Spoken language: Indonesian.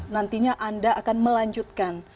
nantinya anda akan melanjutkan